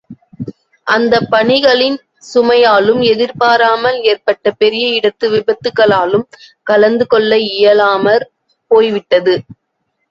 அந்தப் பணிகளின் சுமையாலும் எதிர்பாராமல் ஏற்பட்ட பெரிய இடத்து விபத்துக்களாலும் கலந்து கொள்ள இயலாமற் போய்விட்டது.